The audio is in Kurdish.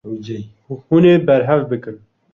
Hûn ê berhev bikin.